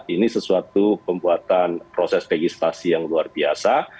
ini sesuatu pembuatan proses pegi stasi yang luar biasa